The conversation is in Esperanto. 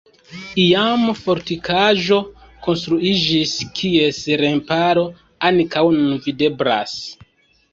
Iam fortikaĵo konstruiĝis, kies remparo ankaŭ nun videblas.